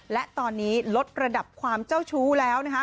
และตอนนี้ลดระดับความเจ้าชู้แล้วนะคะ